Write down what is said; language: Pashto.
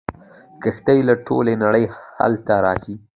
کښتۍ له ټولې نړۍ هلته راځي.